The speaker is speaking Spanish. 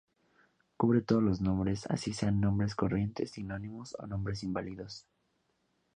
Cubre todos los nombres, así sean nombres corrientes, sinónimos o nombres inválidos.